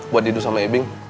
buat didu sama ebing